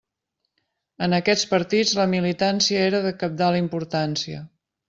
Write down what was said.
En aquests partits la militància era de cabdal importància.